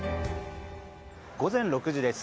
午前６時です。